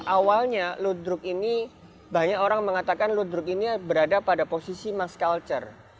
awalnya ludruk ini banyak orang mengatakan ludruk ini berada pada posisi mass culture